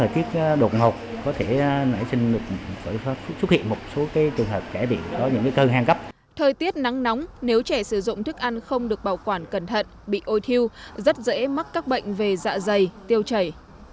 thời tiết nắng nóng nếu trẻ sử dụng thức ăn không được bảo quản cẩn thận bị ôi thiêu rất dễ mắc các bệnh về dạ dày tiêu chảy